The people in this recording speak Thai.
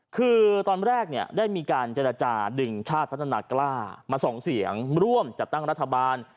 คือตอนแรกเนี่ยได้มีการเจรจาดึงชาติพัฒนากล้ามา๒เสียงร่วมจัดตั้งรัฐบาล